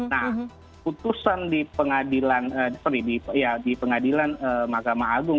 nah putusan di pengadilan sorry di pengadilan magama agung